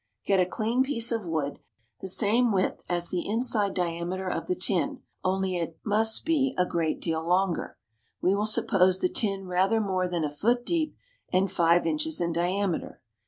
] Get a clean piece of wood, the same width as the inside diameter of the tin, only it must be a great deal longer. We will suppose the tin rather more than a foot deep and five inches in diameter.